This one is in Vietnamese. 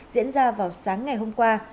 diễn ra vào sáng ngày hôm qua